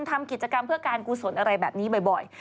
ทำกิจกรรมเพื่อการกุศลอะไรแบบนี้บ่อย